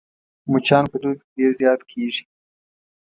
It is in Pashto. مچان په دوبي کې ډېر زيات کېږي